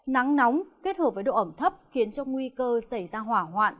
nắng nóng kết hợp với độ ẩm thấp khiến cho nguy cơ xảy ra hỏa hoạn